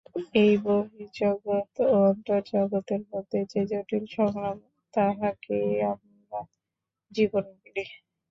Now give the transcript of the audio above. এই বহির্জগৎ ও অন্তর্জগতের মধ্যে যে জটিল সংগ্রাম, তাহাকেই আমরা জীবন বলি।